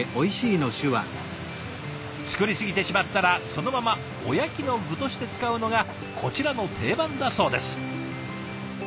作り過ぎてしまったらそのままおやきの具として使うのがこちらの定番だそうです。